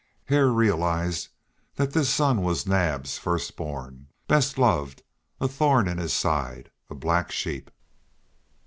Hare realized that this son was Naab's first born, best loved, a thorn in his side, a black sheep.